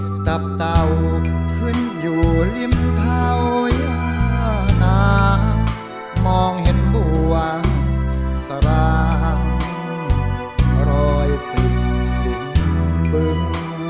ติดตับเตาขึ้นอยู่ริมเท้ายานามองเห็นบัวสร้างรอยปึ่งปึ่งปึ่ง